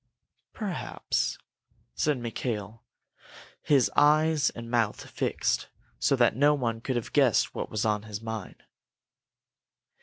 "Perhaps," said Mikail, his eyes and mouth fixed, so that no one could have guessed what was in his mind.